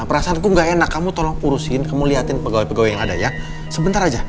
perasaanku gak enak kamu tolong urusin kamu liatin pegawai pegawai yang ada ya sebentar aja